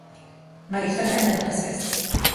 Mae ei thynged yn anhysbys.